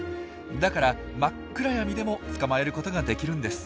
だから真っ暗闇でも捕まえることができるんです。